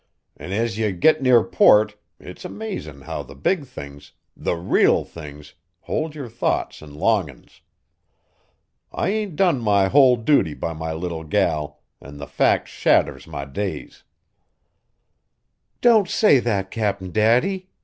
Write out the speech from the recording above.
"An' as ye git near port it's amazin' how the big things, the real things, hold yer thoughts an' longin's. I ain't done my whole duty by my little gal, an' the fact shadders my days." "Don't say that, Cap'n Daddy!"